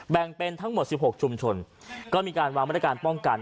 แบ่งเป็นทั้งหมด๑๖ชุมชนก็มีการวางมาตรการป้องกัน